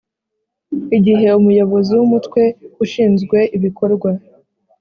Igihe umuyobozi w umutwe ushinzwe ibikorwa